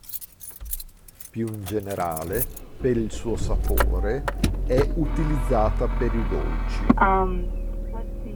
Più in generale, per il suo sapore, è utilizzata per i dolci.